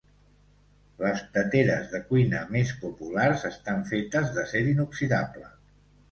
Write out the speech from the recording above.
Les teteres de cuina més populars estan fetes d'acer inoxidable.